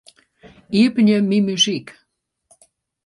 Iepenje Myn muzyk.